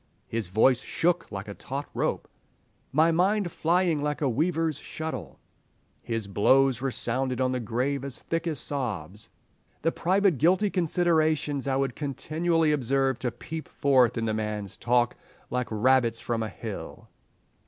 "His voice shook like a taut rope." "My mind flying like a weaver's shuttle." "His blows resounded on the grave as thick as sobs." "The private guilty considerations I would continually observe to peep forth in the man's talk like rabbits from a hill."